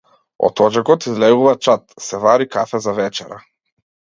Од оџакот излегува чад, се вари кафе за вечера.